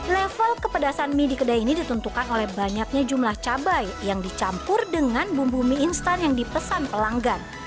level kepedasan mie di kedai ini ditentukan oleh banyaknya jumlah cabai yang dicampur dengan bumbu mie instan yang dipesan pelanggan